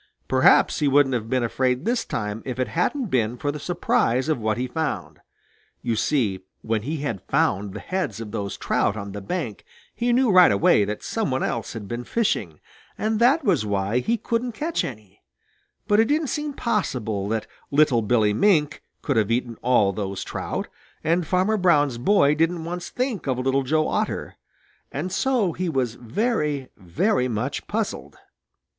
Perhaps he wouldn't have been afraid this time if it hadn't been for the surprise of what he found. You see when he had found the heads of those trout on the bank he knew right away that some one else had been fishing, and that was why he couldn't catch any; but it didn't seem possible that little Billy Mink could have eaten all those trout, and Farmer Brown's boy didn't once think of Little Joe Otter, and so he was very, very much puzzled.